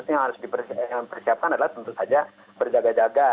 itu yang harus dipersiapkan adalah tentu saja berjaga jaga